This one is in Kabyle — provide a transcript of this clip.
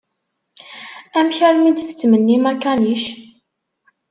Amek armi d-tettmennim akanic?